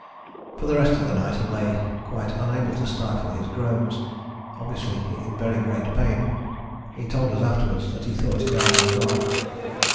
For the rest of the night he lay, quite unable to stifle his groans, obviously in very great pain: he told us afterwards that he thought his eye was gone.